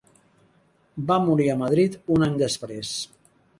Va morir a Madrid un any després.